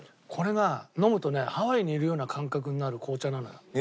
これが飲むとねハワイにいるような感覚になる紅茶なのよ。